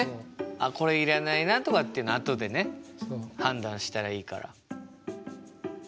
あっこれいらないなとかっていうのはあとでね判断したらいいから。